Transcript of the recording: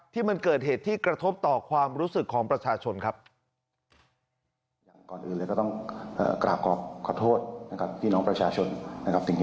ที่มันเกิดเหตุที่กระทบต่อความรู้สึกของประชาชนครับ